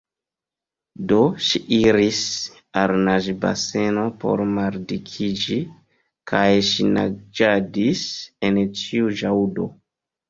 Do ŝi iris al naĝbaseno por maldikiĝi, kaj ŝi naĝadis en ĉiu ĵaŭdo.